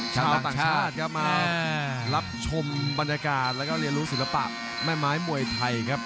ชาวต่างชาติครับมารับชมบรรยากาศแล้วก็เรียนรู้ศิลปะแม่ไม้มวยไทยครับ